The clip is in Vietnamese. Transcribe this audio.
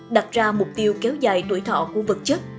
đặt ra mục tiêu kéo dài tuổi thọ của vật chất